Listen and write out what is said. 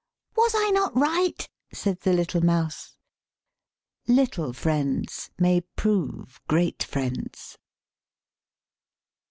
" Was I not right?" said the little mouse. " Little friends may prove great friends."